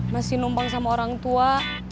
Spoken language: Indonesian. masih numpang sama orang tua